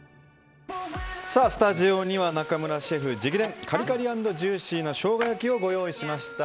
スタジオには中村シェフ直伝カリカリ＆ジューシーなショウガ焼きをご用意しました。